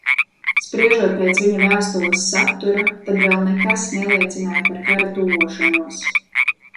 Spriežot pēc viņa vēstules satura, tad vēl nekas neliecināja par kara tuvošanos.